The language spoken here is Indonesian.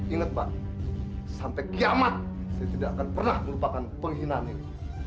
ingat pak sampai kiamat saya tidak akan pernah melupakan penghinaan ini